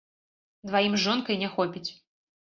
Дваім з жонкай не хопіць.